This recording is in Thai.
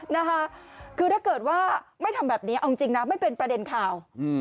นะคะคือถ้าเกิดว่าไม่ทำแบบนี้เอาจริงนะไม่เป็นประเด็นข่าว